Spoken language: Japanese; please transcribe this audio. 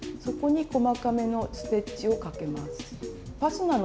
そこに細かめのステッチをかけます。